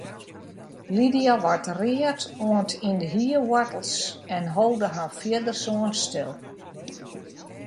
Lydia waard read oant yn de hierwoartels en hold har fierdersoan stil.